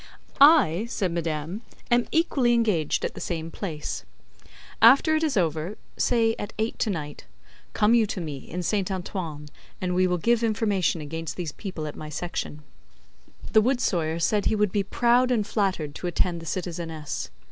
"I," said madame, "am equally engaged at the same place. After it is over say at eight to night come you to me, in Saint Antoine, and we will give information against these people at my Section." The wood sawyer said he would be proud and flattered to attend the citizeness.